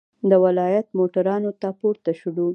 د ولایت موټرانو ته پورته شولو.